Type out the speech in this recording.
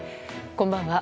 こんばんは。